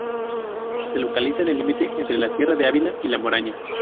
Se localiza en el límite entre la sierra de Ávila y La Moraña.